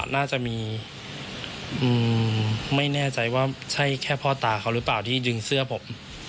น่าจะมีไม่แน่ใจว่าใช่แค่พ่อตาเขาหรือเปล่าที่ดึงเสื้อผม